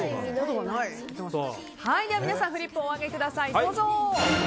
皆さんフリップをお上げください。